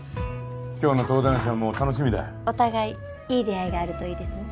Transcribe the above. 今日の登壇者も楽しみだお互いいい出会いがあるといいですね